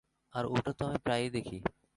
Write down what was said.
আর ওটা তো আমি প্রায়ই দেখি।